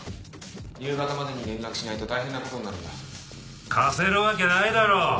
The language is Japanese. ・・夕方までに連絡しないと大変なことになるんだ・貸せるわけないだろ。